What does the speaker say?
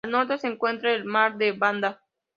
Al norte se encuentra el mar de Banda.